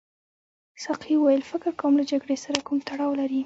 ساقي وویل فکر کوم له جګړې سره کوم تړاو لري.